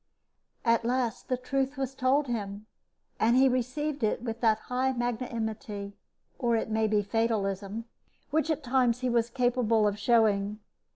At last the truth was told him, and he received it with that high magnanimity, or it may be fatalism, which at times he was capable of showing.